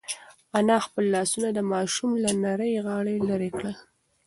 انا خپل لاسونه د ماشوم له نري غاړې لرې کړل.